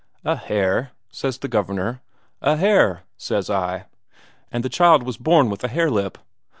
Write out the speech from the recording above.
'A hare?' says the Governor. 'A hare,' says I. 'And the child was born with a hare lip.'